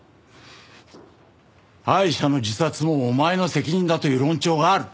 アイシャの自殺もお前の責任だという論調がある。